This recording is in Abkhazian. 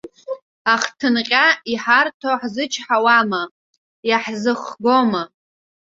Ахҭынҟьа иҳарҭо ҳзычҳауама, иаҳзыхгома?